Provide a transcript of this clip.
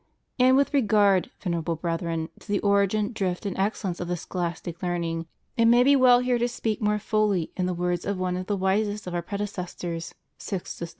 And with regard, Venerable Brethren, to the origin, drift, and excellence of this scholastic learning, it may be well THE STUDY OF SCHOLASTIC PHILOSOPHY. 47 here to speak more fully in the words of one of the wisest of Our predecessors, Sixtus V.